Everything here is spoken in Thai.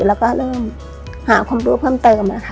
เริ่มหาความรู้เพิ่มเติม